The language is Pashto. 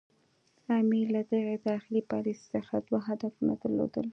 امیر له دغې داخلي پالیسي څخه دوه هدفونه درلودل.